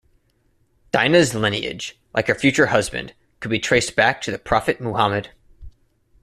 Dina's lineage, like her future husband, could be traced back to the Prophet Muhammad.